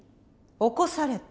起こされた？